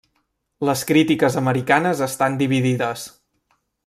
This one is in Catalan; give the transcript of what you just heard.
Les crítiques americanes estan dividides.